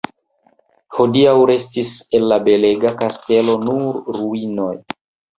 Hodiaŭ restis el la belega kastelo nur ruinoj.